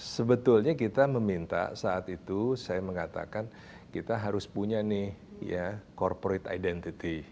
sebetulnya kita meminta saat itu saya mengatakan kita harus punya nih corporate identity